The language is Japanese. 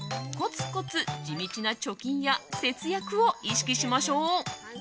コツコツ地道な貯金や節約を意識しましょう。